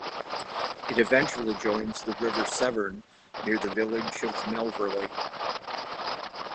It eventually joins the River Severn near the village of Melverley.